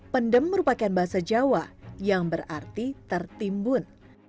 pendem merupakan bahasa jawa yang berarti tertimbun